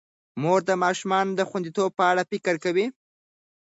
مور د ماشومانو د خوندیتوب په اړه فکر کوي.